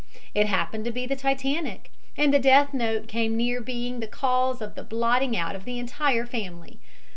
If happened to be the Titanic, and the death note came near being the cause of the blotting out of the entire family.